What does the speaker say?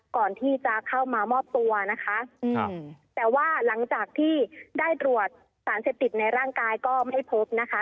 ก่อนที่จะเข้ามามอบตัวนะคะแต่ว่าหลังจากที่ได้ตรวจสารเสพติดในร่างกายก็ไม่พบนะคะ